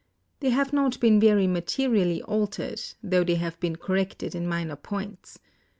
They have not been very materially altered, tho they have been corrected in minor points.